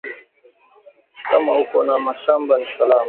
Kama uko na mashamba ni salama